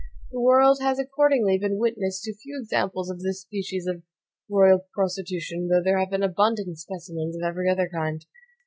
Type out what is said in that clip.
The world has accordingly been witness to few examples of this species of royal prostitution, though there have been abundant specimens of every other kind.